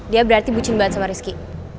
dia berarti bucin banget sama rizky